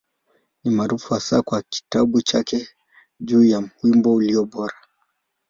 Ni maarufu hasa kwa kitabu chake juu ya Wimbo Ulio Bora.